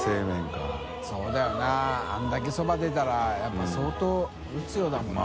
修Δ世茲あれだけそば出たらやっぱ相当打つようだもんな。